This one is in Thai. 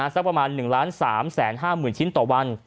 สักประมาณ๑๓๕๐๐๐ชิ้นต่อวัน